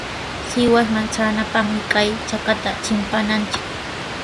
Sihuasman traanapaqmi kay chakatami chimpananchik.